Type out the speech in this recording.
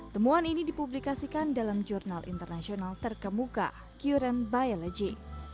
temuan ini dipublikasikan dalam jurnal internasional terkemuka kuren biology